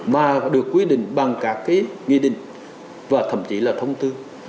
mà được quy định bằng các cái nghị định và thậm chí là thông tư